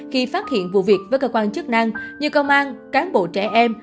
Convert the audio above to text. khi phát hiện vụ việc với cơ quan chức năng như công an cán bộ trẻ em